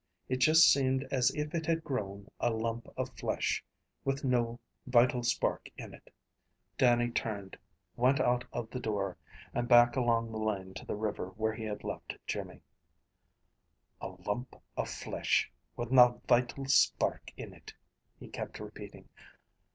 It just seemed as if it had grown a lump of flesh, with no vital spark in it." Dannie turned, went out of the door, and back along the lane to the river where he had left Jimmy. "'A lump of flesh with na vital spark in it,'" he kept repeating.